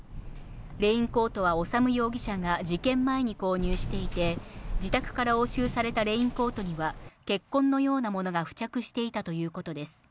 レインコートは修容疑者が事件前に購入していて、自宅から押収されたレインコートには、血痕のようなものが付着していたということです。